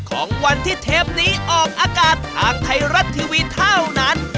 ของวันที่เทปนี้ออกอากาศทางไทยรัฐทีวีเท่านั้น